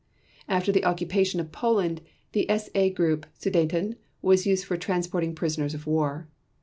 After the occupation of Poland, the SA group Sudeten was used for transporting prisoners of war.